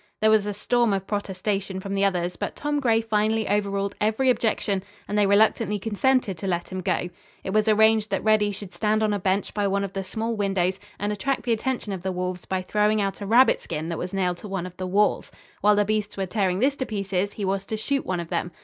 There was a storm of protestation from the others, but Tom Gray finally overruled every objection and they reluctantly consented to let him go. It was arranged that Reddy should stand on a bench by one of the small windows and attract the attention of the wolves by throwing out a rabbit skin that was nailed to one of the walls. While the beasts were tearing this to pieces he was to shoot one of them.